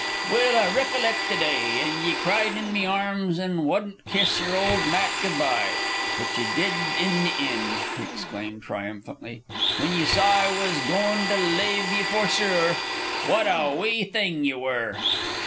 "Well I recollect the day. An' ye cried in me arms an' wuddent kiss yer old Matt good by. But ye did in the ind," he exclaimed, triumphantly, "whin ye saw I was goin' to lave ye for sure. What a wee thing ye were!"